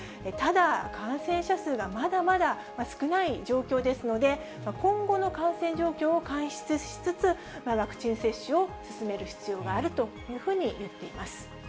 ただ、感染者数がまだまだ少ない状況ですので、今後の感染状況を監視しつつ、ワクチン接種を進める必要があるというふうに言っています。